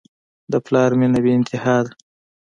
د پلار مینه بېانتها ده.